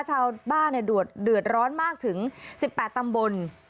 ชาวบ้านเดือดร้อนมากถึง๑๘ตำบล